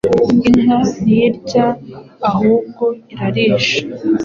Inka ntirya ahubwo Irarisha